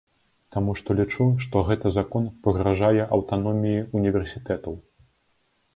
Таму што лічу, што, гэты закон пагражае аўтаноміі універсітэтаў.